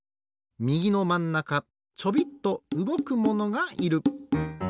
みぎのまんなかちょびっとうごくものがいる。